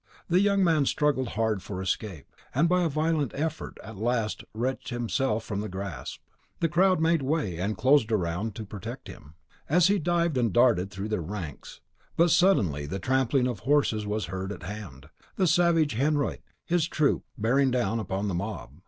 The young man struggled hard for escape, and, by a violent effort, at last wrenched himself from the grasp. The crowd made way, and closed round to protect him, as he dived and darted through their ranks; but suddenly the trampling of horses was heard at hand, the savage Henriot and his troop were bearing down upon the mob.